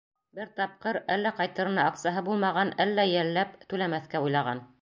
Бер тапҡыр, әллә ҡайтырына аҡсаһы булмаған, әллә йәлләп, түләмәҫкә уйлаған.